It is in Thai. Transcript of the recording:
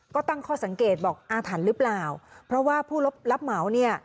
ก็ตั้งข้อสังเกตบอกอาถรรพ์หรือเปล่าเพราะว่าผู้รับเหมาเนี่ย